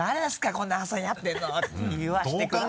こんな朝にやってるの」て言わせてくださいよ。